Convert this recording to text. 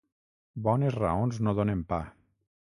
Bones raons no donen pa.